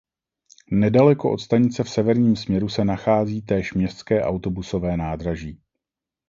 Nedaleko od stanice v severním směru se nachází též městské autobusové nádraží.